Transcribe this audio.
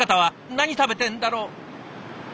何食べてるんだろう？